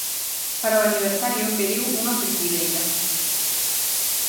Para o aniversario pediu unha fritideira.